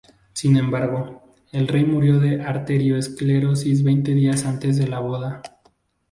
Sin embargo, el rey murió de arterioesclerosis veinte días antes de la boda.